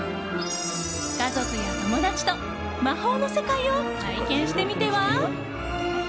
家族や友達と魔法の世界を体験してみては？